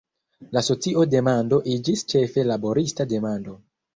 La socia demando iĝis ĉefe laborista demando.